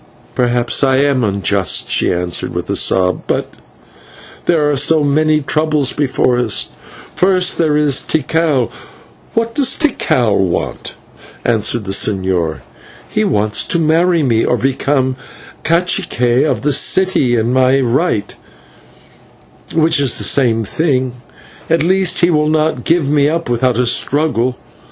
"Perhaps I am unjust," she answered with a sob, "but there are so many troubles before us. First there is Tikal " "What does Tikal want?" asked the señor. "He wants to marry me, or to become /cacique/ of the city in my right, which is the same thing; at least he will not give me up without a struggle.